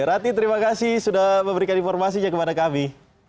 rati terima kasih sudah memberikan informasinya kepada kami